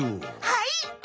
はい！